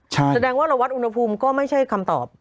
แสดงว่าเราวัดอุณหภูมิก็ไม่ใช่คำตอบ